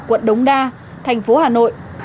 quận đống đa thành phố hà nội